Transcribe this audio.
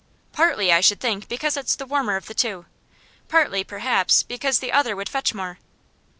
'Partly, I should think, because it's the warmer of the two; partly, perhaps, because the other would fetch more.